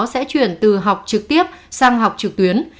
sẽ chuyển từ học trực tiếp sang học trực tuyến